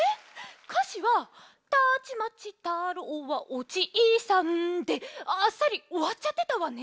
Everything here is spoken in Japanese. かしは「たちまち太郎はおじいさん」であっさりおわっちゃってたわね。